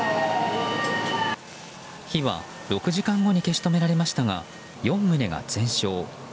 火は６時間後に消し止められましたが４棟が全焼。